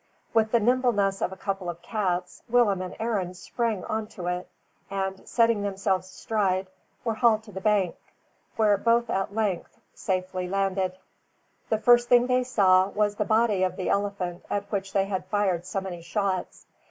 With the nimbleness of a couple of cats, Willem and Arend sprang on to it, and, setting themselves astride, were hauled to the bank, where both were at length safely landed. The first thing they saw, was the body of the elephant at which they had fired so many shots.